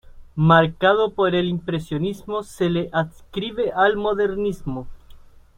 Marcado por el impresionismo, se le adscribe al modernismo.